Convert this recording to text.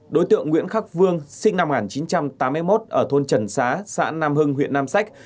đối tượng nguyễn khắc vương sinh năm một nghìn chín trăm tám mươi một ở thôn trần xá xã nam hưng huyện nam sách